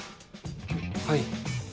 はい。